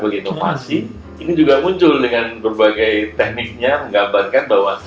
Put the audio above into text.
kita menggunakan tekniknya untuk menggambarkan bahwa